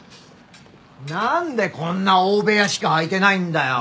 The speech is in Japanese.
なんでこんな大部屋しか空いてないんだよ！